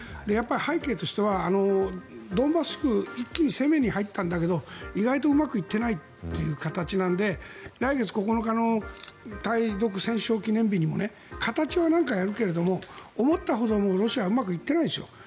背景としてはドンバス地方一気に攻めに入ったんだけど意外とうまくいっていないという形なので来月９日の対独戦勝記念日にも形は何かやるけども思ったほどロシアはうまくいってないですよ。